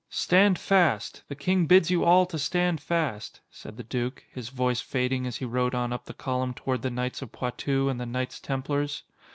"Stand fast. The King bids you all to stand fast," said the duke, his voice fading as he rode on up the column toward the knights of Poitou and the Knights Templars.